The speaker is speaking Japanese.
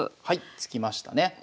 はい突きましたね。